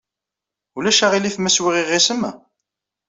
Ulac aɣilif ma swiɣ iɣisem?